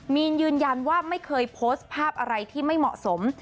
มีนยืนยันว่าไม่เคยโพสต์ภาพอะไรที่ไม่เหมาะสม